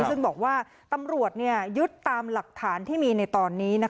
ซึ่งบอกว่าตำรวจยึดตามหลักฐานที่มีในตอนนี้